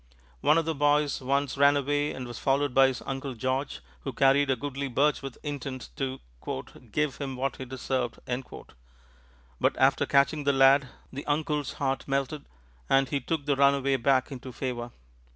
One of the boys once ran away and was followed by his uncle George, who carried a goodly birch with intent to "give him what he deserved"; but after catching the lad the uncle's heart melted, and he took the runaway back into favor.